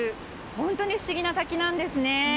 本当に不思議な滝なんですね。